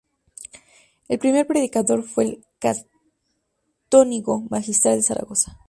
El primer predicador fue el Canónigo Magistral de Zaragoza.